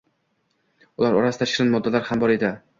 Ular orasida shirin moddalar ham bor edi